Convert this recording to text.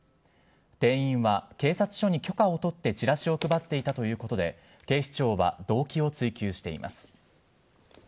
店員は、警察署に許可を取ってチラシを配っていたということで、警視庁は動機を追及しています。